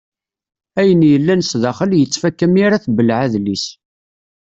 Ayen yellan sdaxel yettfaka mi ara tbelleɛ adlis.